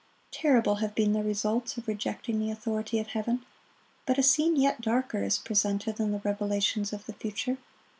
Terrible have been the results of rejecting the authority of Heaven. But a scene yet darker is presented in the revelations of the future.